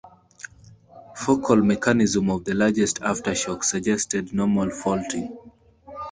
Focal mechanism of the largest aftershock suggested normal faulting.